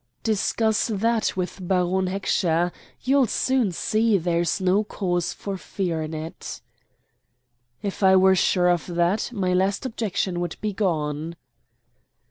"Discuss that with Baron Heckscher. You'll soon see there's no cause for fear in it." "If I were sure of that, my last objection would be gone."